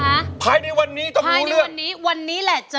ด้านล่างเขาก็มีความรักให้กันนั่งหน้าตาชื่นบานมากเลยนะคะ